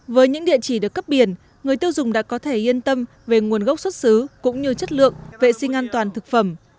với những địa chỉ được cấp biển người tiêu dùng đã có thể yên tâm về nguồn gốc xuất xứ cũng như chất lượng vệ sinh an toàn thực phẩm